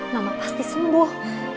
mama pasti sembuh